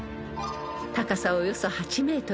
［高さおよそ８ｍ］